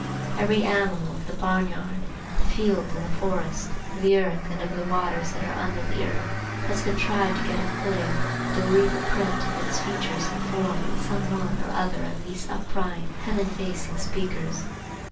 Every animal of the barn yard, the field and the forest, of the earth and of the waters that are under the earth, has contrived to get a footing and to leave the print of its features and form in some one or other of these upright, heaven facing speakers.